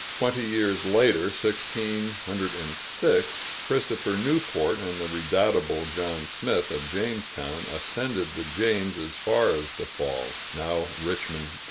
Twenty years later (1606), Christopher Newport and the redoubtable John Smith, of Jamestown, ascended the James as far as the falls now Richmond, Va.